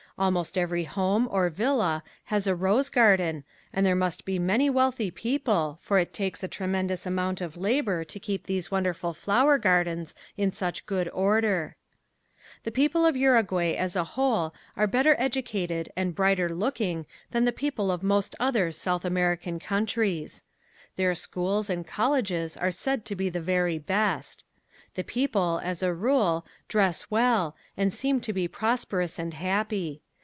Almost every home, or villa, has a rose garden and there must be many wealthy people for it takes a tremendous amount of labor to keep these wonderful flower gardens in such good order. The people of Uruguay as a whole are better educated and brighter looking than the people of most other South American countries. Their schools and colleges are said to be the very best. The people, as a rule, dress well and seem to be prosperous and happy.